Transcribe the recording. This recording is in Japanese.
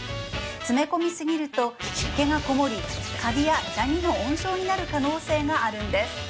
詰め込みすぎると湿気がこもりカビやダニの温床になる可能性があるんです